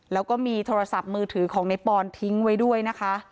แล้วก็มีโทรศัพท์มือถือของในปอนทิ้งไว้ด้วยนะคะ